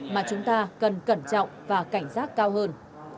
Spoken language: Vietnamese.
mà chúng ta cần cẩn trọng và cảnh giác cao hơn